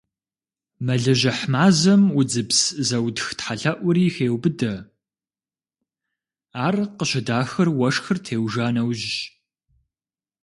Мэлыжьыхь мазэм удзыпс зэутх тхьэлъэӀури хеубыдэ, ар къыщыдахыр уэшхыр теужа нэужьщ.